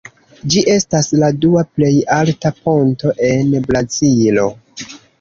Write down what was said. Ĝi estas la dua plej alta ponto en Brazilo.